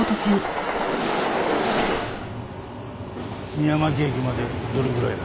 三山木駅までどれぐらいだ？